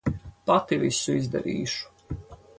Pati visu izdarīšu.